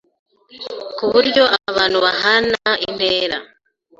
ku buryo abantu bahana intera,